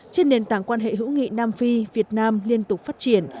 trên nền tảng quan hệ hữu nghị nam phi việt nam liên tục phát triển